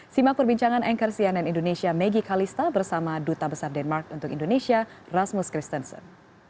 simak perbincangan anchor cnn indonesia maggie kalista bersama duta besar denmark untuk indonesia rasmus kristensen